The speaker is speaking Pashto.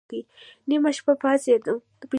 نيمه شپه پاڅېدم.